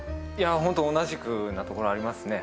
ホント同じくなところありますね